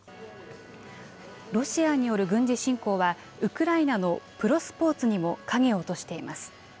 ロシアによる軍事侵攻はウクライナのプロスポーツにも影を落としています。